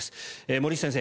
森内先生